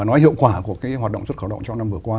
nói hiệu quả của hoạt động xuất khẩu lao động trong năm vừa qua